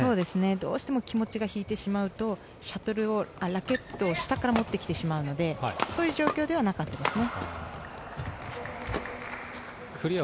どうしても気持ちが引いてしまうとラケットを下から持ってくるのでそういう状況ではなかったですね。